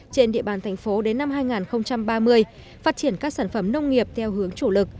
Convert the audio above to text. trên địa bàn thành phố đến năm hai nghìn ba mươi phát triển các sản phẩm nông nghiệp theo hướng chủ lực